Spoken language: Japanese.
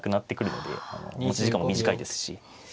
持ち時間も短いですし。